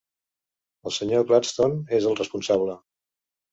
El Sr. Gladstone és el responsable.